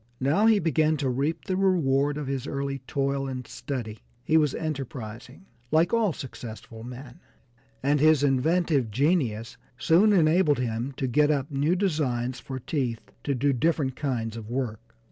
Now he began to reap the reward of his early toil and study. He was enterprising, like all successful men, and his inventive genius soon enabled him to get up new designs for teeth to do different kinds of work.